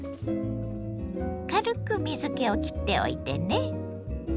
軽く水けをきっておいてね。